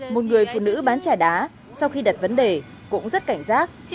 một người phụ nữ bán trà đá sau khi đặt vấn đề cũng rất cảnh giác